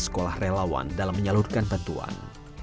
sekolah relawan dalam menyalurkan bantuan